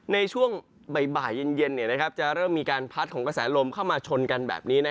ในช่วงบ่ายเย็นจะเริ่มมีการพัดของกระแสลมเข้ามาชนกันแบบนี้